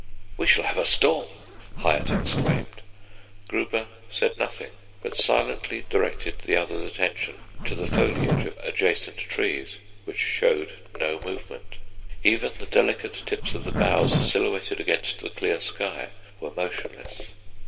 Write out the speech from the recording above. "We shall have a storm," Hyatt exclaimed. Gruber said nothing, but silently directed the other's attention to the foliage of adjacent trees, which showed no movement; even the delicate tips of the boughs silhouetted against the clear sky were motionless.